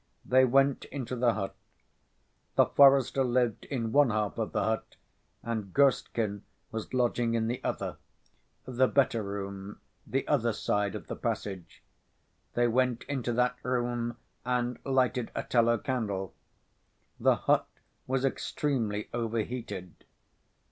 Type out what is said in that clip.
They went into the hut. The forester lived in one half of the hut, and Gorstkin was lodging in the other, the better room the other side of the passage. They went into that room and lighted a tallow candle. The hut was extremely overheated.